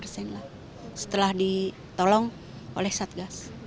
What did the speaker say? setelah ditolong oleh satgas